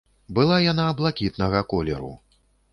Была яна блакітнага колеру.